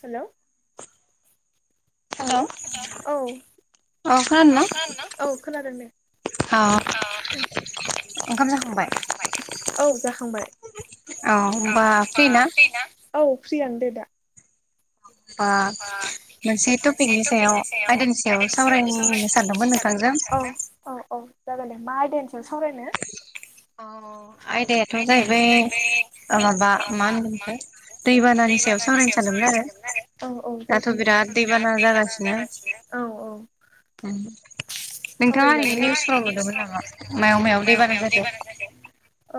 Hello hello hello औ औ खोनादोंनो ओंखाम जाखांबाय? औ होमबा फ्रि ना? औ फ्रियानो दे दा। ओ मोनसे टपिकनि सायाव आदानि सायाव सावरायनो [unintelligible] औ औ औ जागोन दे मा आयदानि सायाव सावरायनो? आयदायाथ' जाहैबाय ओ माबा मा होन दै बानानि सायाव सावरायनो सानदों [unintelligible] औ औ जागोन दे दाथ' बिराद दैबाना जागासिनो औ औ। [inaudible] नोंथांङा ओरैनो निउसफोराव नुदोंमोन नामा मायाव-मायाव दैबाना जादों?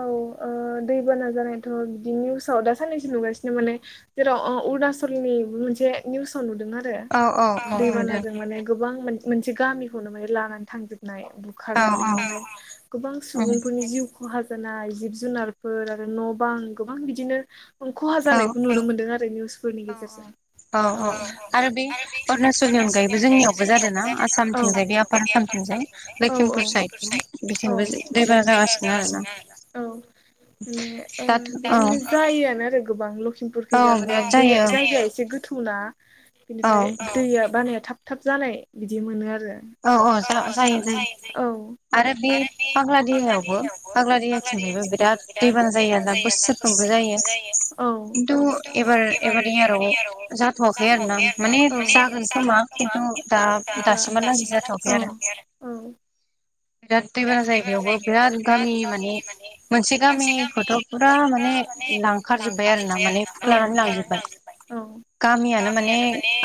औ ओ दैबाना जानायथ' बिदि निउसाव दा साननैसो नुगासिनो माने जेराव अ अरणाच लनि मोनसे निउसाव नुदों आरो अ-अ दैबानाजों माने गोबां मोनसे गामिखौनो माने लानानै थांजोब नाय बुखारनानै न' गोबां सुबुंफोरनि जिउ खहा जा नाय जिब-जुनारफोर आरो न'-बां गोबां बिदिनो खहा जानायखौ नुनो मोन्दों आरो निउसफोरनि गेजेरजों। औ-औ आरो बे अरुणचलनि अनगायैबो जोंनियावबो जादों ना आसामनि अनगायै बे आफाद औ [unintelligible] औ [unintelligible] औ [unintelligible] माने बिदिनो जायोआनो आरो गोबां लखिमपुर खैजा माने दै जायगाया एसे गोथौ ना बिनिफ्राय दैया बानाया थाब थाब जानाय बिदि मोनो आरो। औ आरो बे फाग्ला दैेहायावबो फाग्ला दैेहानि थिंजायबो बिराद दैबाना जायो दा औ जायो औ थ एबार [unintelligible] जाथ'वाखै आरो ना माने औ जागोन खोमा खिन्थु दा दासिमला औ बिराद दैबाना जायगायावबो बिराद गामि माने मोनसे गामिखौथ' फुरा माने लांखार जोबबाय आरो ना माने खुख्लानानै लांजोब्बाय। गामियानो माने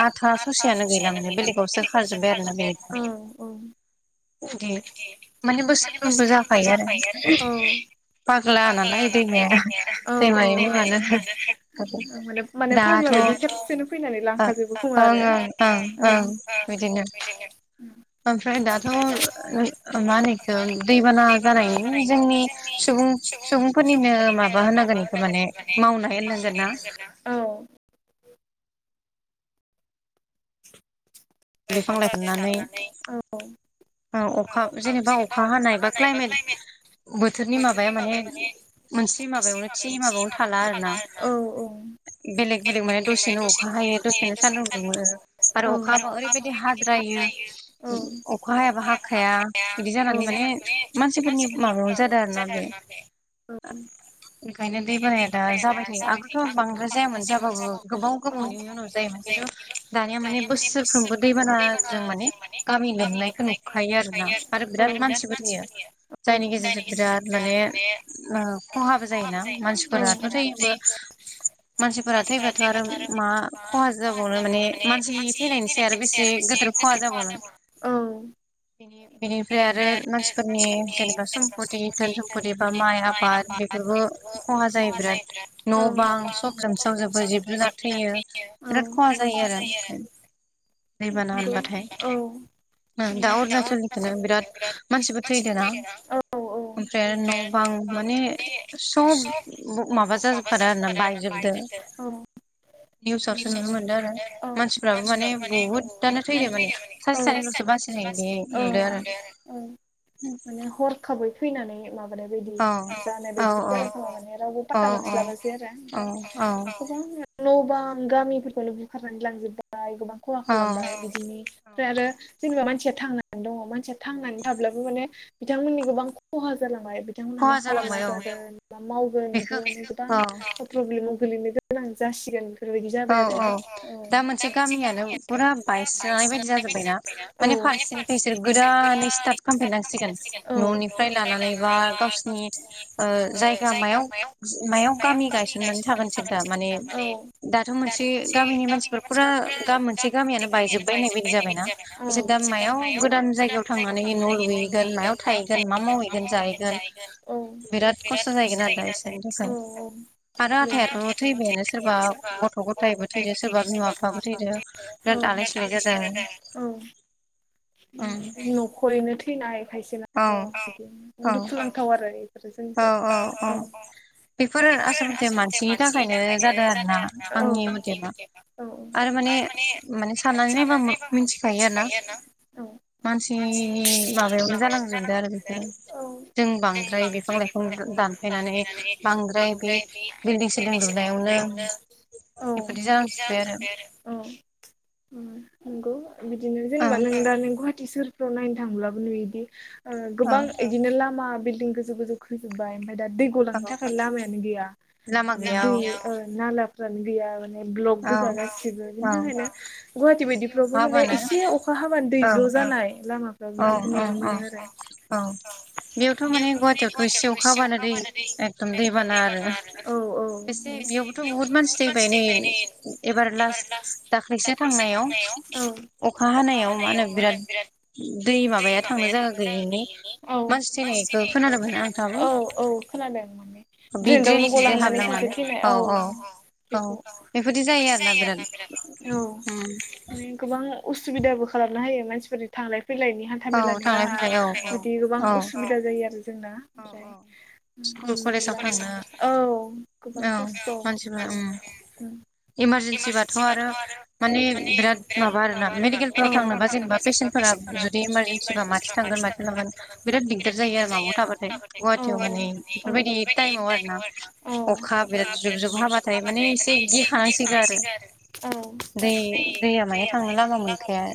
आथा ससेयानो गैला माने बेलेगावसो खारजोब्बाय आरो ना बेनिफ्राय [unintelligible] [unintelligible] औ फाग्ला नालाय दैमायानो औ-औ माने फाग्ला बि खेसोननो फैनानै लांखाजोबो खोमा आरो [unintelligible] ओमफ्राय दाथ' मा दैबाना जानायनि जोंनि सुबुं सुबुंफोरनिनो माबा होनांगोन इखौ माने मावनाय होननांगोना? [unintelligible] औ अखा जेनेबा अखा हानाय बा क्लायमेट बोथोरनि माबाया माने मोनसे माबायावनो थि माबायावनो थाला आरो ना। बेलेग बेलेग माने दसेनो अखा हायो दसेनो सान्दुं दुङो आरो अखाबा ओरै बेबायदि हाद्रायो अखा हायाबा हाखाया बिदि जानानै माने मानसि मानसिफोरनि जादों आरोना बे आ बेखायनो दै बानाया दा जाबाय थायो आगोलथ' बांद्राय जायामोन जाबाबो गोबाव गोबावनि उनाव जायोमोन। दानिया माने बोसोर फ्रोमबो दैबानाजों माने गामि लोमनायखौ नुखायो आरो ना आरो बिराद मानसिबो थैयो। जायनि गेजेरजों बिराद माने खहाबो जायोना मानसिफोराथ' थैयोबो। मानसिफोरा थैबाथ' आरो मा खहा जाबावनो माने मानसि थैनायसै बेसे गोदोर खहा जाबावनो। बेनिफ्राय आरो मानसिफोरनि जेनेबा सम्पित धोन सम्पति बा माइ आबाद बेफोरबो खहा जायो बिराद न' बां सब लोमसावजोबो जिब जुनार थैयो। बिराद खहा जायो आरो ओंखायनो दैबाना होनबाथाय दा अरुणाचलनिखौनो बिराद मानसिबो थैदों ना? ओमफ्राय आरो न' बां माने सब माबा जाजोबखादो आरोना बायजोबदों। औ [unintelligible] [unintelligible] औ [unintelligible] औ [unintelligible] माने हरखाबै फैनानै माबा माबानाय बायदि जानाय बायदि जा माने रावबो पाता मोनस्लाबसै आरो ओमफ्राय गोबां न' बां गामिफोरखौनो बुखारनानै लांजोबबाय गोबां खहा खालामबाय बिदिनि ओमफ्राय आरो जेनेबा मानसिया थांनानै दं मानसि थांनानै थाब्लाबो माने बिथांमोननि गोबां खहा जालांबाय बिथांमोनहा मा खालामना जागोन मा मावगोन बिदि माने गोबां प्रब्लेमाव गोलैनो गोनां जासिगोन बेफोरबायदि जाबाय आरो औ [unintelligible] फुरा बायसन बायदि जाबायना माने फारसे फैस गोरानै सार्ट [unintelligible] न'निफ्राय लानानै बा गावसिनि जायगा मायाव मायाव गामि गायसननानै सागोन सिखोना माने दाथ' मोनसे गामिनि मानसिफोरखौ दा मोनसे गामियानो बायजोब्बाय होननाय बायदि जाबायना मोनसे गामियाव गोदान जायगायाव थांनानै न लुयो गोन मायाव थैगोन मा मावहैगोन जाहैगोन बिराद खस्थ' जनायगोन ओमफ्राय आरो आथाइयाथ थैबायानो सोरबा गथ गथायबो थैदो सोरबा बिमा बिफाबो थैदो औ - औ नखरैनो थैनाय खायसेनाथ बिदिनो दुखुुनांथाव आरो प्रेजन्ट बेफोर आसलथे मानसिनि थाखायनो जादों आरोना आंनि मथेबा आरो माने साननानै नायबा मिथिखायो आरो ना मानसिनि माबायानो जानांबाय आरो औ दोनबां बिफां- लाफायनानै बांद्राय बे बिल्डं सिलिं लुनायावनो औ औ नंगौ बिदिनो जेनेबा नों दा नों गुवाहाटि सोर फ्राव नायनो थांब्लाबो नुयोदि ओ गोबां बिदिनो लामा बिलडिं गोजौ गोजौ खोजोब्बाय ओमफ्राय दा दै गलांनो थाखाय लामायानो गैया माने दै नालाफ्रानो गैया माने ब्लक गोजा गासिबो बिनि थाखायनो गुवाहाटि बायदिफ्रावबो माने एसे अखा हाबानो दै ज जानाय लामाफ्राव बिदिखौ नु नुनो मोनो आरो औ बेयावथ माने गुवाहाटियावथ एसे अखा बानो दै एकदम दैबाना आरो एसे बेयावबोथ बुहुत मानसि थैबाय नै एबार लास्ट दाख्लैसो थांनायाव अखा हानायाव मा होनो बिराद दै माबाया थांनो जायगा गैयिनि मानसि थैनायखौ खोनादोंमोन आं थाबो खोनादों द्रेन्दावनो गलांनानै सासे थैनाय औ बेखौ बेदि जायो आरो औ मान गोबां उसुबिदाबो खालामना होयो मानसिफोरनि थांलाय फैलायनि हान्था मेलानि राहा बिदि गोबां असुबिदा जायो आरो जोंना ओमफ्राय हनानै ला औ गोबां खस्थ उम इमारजेनसि बाथ थ आरो माने बिराद माबा आरोना मेडिकेलफोराव थांनोबा जेनेबा पेसेन्टफोरा जुदि इमार सिबा माथिं थांगोन माथिं थांगोन बिराद दिगदार जायो आरो मायाव थाबा गुवाहाटियाव माने बेफोरबायदि टाइमाव आरो ना अखा बिराद जुब जुब हाबाथाय माने एसे गिखानांसिग आरो दै दैया माने थांनो लामा मोनखाया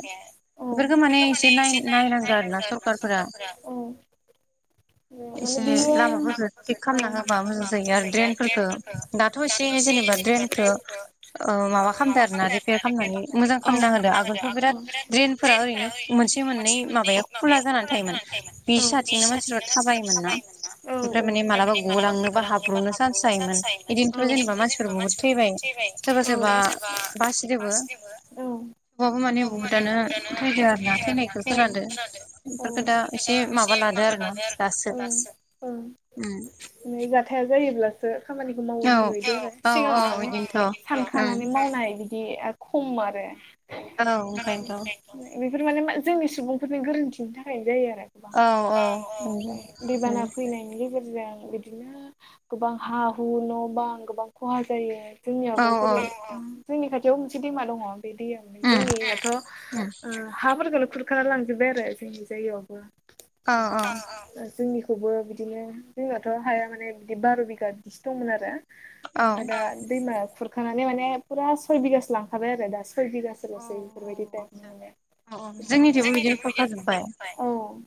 बेफोरखौ माने एसेनाय नाय नायनांगौ आरो ना सरखारारफोरा एसे लामाफोरखौ थिग खालामना होबा मोजां जायो आरो ड्रेनफोरखौ दाथ एसे जे जेनबा द्रेनखो ओ माबा खामद आर ना रिपेयार खालामनानै मोजां खालामना होदो आगोलथ बिराद द्रेनफोराद ओरैनो मोनसे मोननै माब खुला जानानै थायोमोन बि सथिंनो मानसिफ्रा थाबायोमोन ना ओमफ्राय माने मालाबा गलांनोबा हाब्रनो चान्स जायोमोन बिदिनोथ जेनेबा मा मानसिफोर बहुत थैबाय सोरबा- सोरबा बासिदबो बाबबो माने बुहुतआनो थैदो आरो ना थैनायखौ खोनादो बेखफोरखो दा एसे माबा ला दो आरो ना अ ओ नै बार हथाया जायोब्लासो खामानिखौ मावो होननाय बायदि सिगाङाव माने सानखाना नै मावनाय बिदि खम आरो। औ बेफोर माने जोंनि सुबुंफोरनि गोरोन्थिनि थाखायनो जायो। दैबाना फैनायनि गेजेरजों बिदिनो गोबां हा हु न बां गोबां खहा जायो जोंनियावबो जेरै जोंनि खाथियाव मोनसे दैमा दंङ बे दै जोंनियाथ हाफोरखो खुरखाना लांजोबबाय आरो जोंनि जायगायावबो जोंनि खौबो बिदिनो जोंहाथ' हाया माने बिदि बार' बिगा बिदिसो दंमोन आरो। ओमफ्राय दा दैमा खुरखानानै माने फुरा सय बिगासो लांखाबाय आरो दा सय बिगाासोलसै बेफोरबायदि थायबनि माने जोंनिथिंबो बिदिनो खुरखा जोब्बाय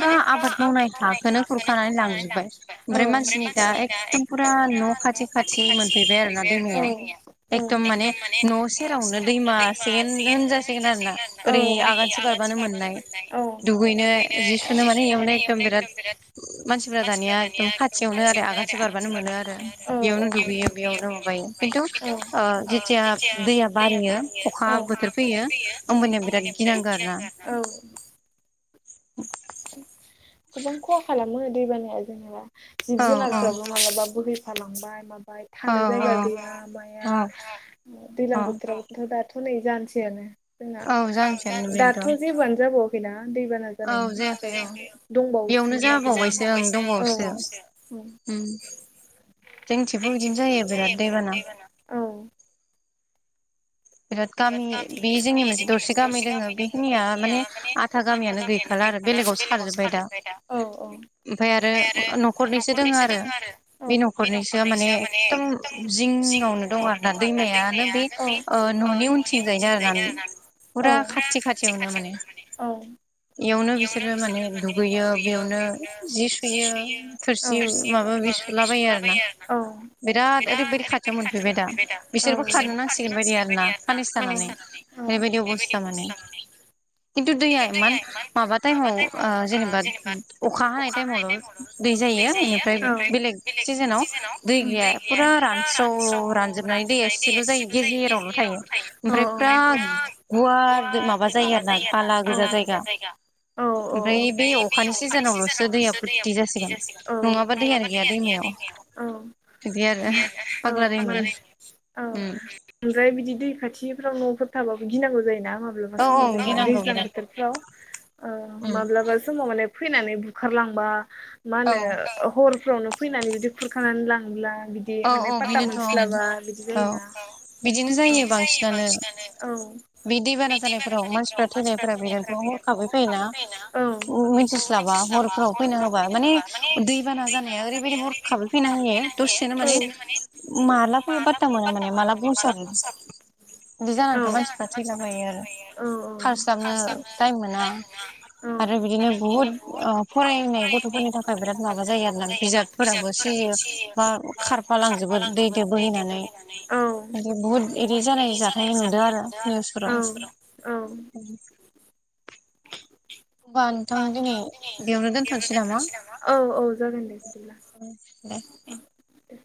माने फुरा आबाद मावनाय हाखोनो खुरखानानै लांफिबाय ओमफ्राय मानसिनि दा एकदम फुरा न' खाथि खाथि मोनफैबाय आरो ना। औ एकदम माने न' सेरावनो दैमा जिं होनजासिगोन आरोना ओरै आगानसे बारबानो मोननाय दुगैनो जि सु नो माने बेयावनो एकदम बिराद मानसिफोरा दानिया एकदम खाथियावनो आरो आगानसे बारबानो मोनो आरो। बेयावनो दुगैयो बेयावनो माबायो खिन्थु जेथिया दैया बारियो बा अखा बोथोर फैयो होमबानिया बिराद गिनांगो आरो ना। गोबां खहा खालामो दै बानाया जेनेबा जिब जुनारफोराबो मालाबा बोहैफालांबाय मा ओमफाय थानो जायगा गैया माया दैजलां बोथोरावथ' दाथ हनै जानोसैआानो जोंना दाथ' जेबोआनो जाबावाखैना दैबाना जानायनि दंबावोसो गोजान औ औ जोंनिथिंबो बिदिनो जायो बेरादनो दैबाना बिराद गामि बे जोंनि मोनसे दरसे गामि दङ बेखिनिया माने आधा गामियानो बेलेगावसो खारजोब्बाय दा औ औ ओमफाय आरो न'खरनैसो दङो आरो बे न'खरनैसो माने एखदम जिंङावनो दं आरोना दैमायानो बे ओ न'नि उनथिंजायनो आरो न औ फुरा खाथि-खाथियावनो माने औ बेयावनो बिसोरो माने दुगैयो बेयावनो जि सुयो थोरसि माबा माबि सुला बायो आरोना। बिराद ओरैबायि खाथियाव मोनफैबाय दा बिसोरबो खारनो नांसिगोन बेबायदि आरो साननैसो थानानै बेबायदि अबस्था मोने खिनथु दैया इमान माबा टाइमाव जेनेबा अखा हानाय टाइमाव दै जायो ओमफ्राय बेलेग सिजोनाव दै गैया फुरा रानस्राव रान जोबनाय दैया एसेल' जायो। गेजेरावबो थायो ओमफ्राय फुरा गुवार माबा जायो आरो ना बाला गोजा जायगा औ औ ओमफ्राय बे अखानि सिजोनावल'सो दैया बुदथि जासिगोन औ नङाबा दैयानो गैया। औ औ औ ओमफ्राय बिदि दै खाथिफ्राव न'फोर थाबाबो गिनांगौ जायो ना माब्लाबा समाव जेनेबा दैज्लां बोथोरफ्राव ओ माब्लाबा समाव माने फैनानै बुखारलांबा मा होनो हरफ्रावनो फैनानै जुदि खुरखानानै लांब्ला बिदि माने पाता मोनस्लाबा बिदि जायोना बिदिनो जायो बांसिनानो बे दैबाना जानायफोराव मानसिफोरा थैनायफोरा बेजोंथ' हरखाबै फैयोना मिथिस्लाबा हरफोराव फैना होबा माने दैबाना जानाया ओरैबायदि हरखाबै फैना होयो द सेनो माने माला फैयो फातथा मोना माने माला फोसाब बिदि जानाथ' मानसिफ्रा थैला बायो खारनो टाइम मोना आरो बिदिनो बुहुत फरायनाय गथ'फोरनि थाखाय बिराद माबा जायो आरो ना बिजाबफोराबो बा खारफा लांजोबो दैजों बोहैनानै बि बुहुद एरै जानाय जाथाय नुदों आरो निउसफोराव [unintelligible] बेयावनो दोनटसै नामा औ औ जागोन दे बिदिब्ला [unintelligible] द [unintelligible]